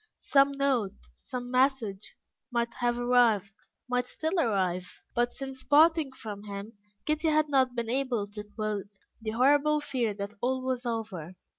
Some note, some message, might have arrived might still arrive; but since parting from him, Kitty had not been able to quell the horrible fear that all was over.